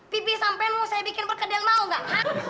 pipi sampean mau saya bikin perkedel mau nggak